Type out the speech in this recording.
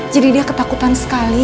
jadi dia ketakutan sekali